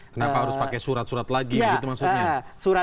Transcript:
kenapa harus pakai surat surat lagi gitu maksudnya